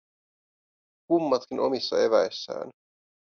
Kummatkin omissa eväissään.